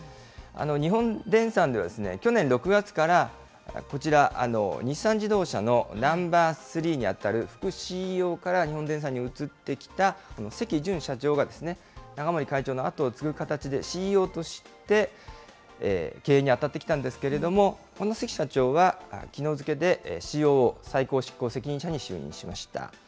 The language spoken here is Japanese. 日本電産では去年６月からこちら、日産自動車のナンバースリーに当たる副ＣＥＯから日本電産に移ってきた関潤社長が、永守会長の後を継ぐ形で、ＣＥＯとして経営に当たってきたんですけれども、この関社長は、きのう付けでＣＯＯ・最高執行責任者に就任しました。